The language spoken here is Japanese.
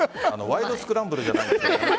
「ワイドスクランブル」じゃないんですから。